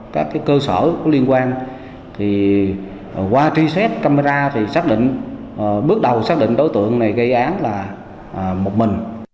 các cơ sở có liên quan qua truy xét camera thì xác định bước đầu xác định đối tượng này gây án là một mình